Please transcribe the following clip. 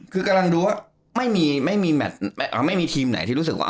คือกำลังดูว่าไม่มีทีมไหนที่รู้สึกว่า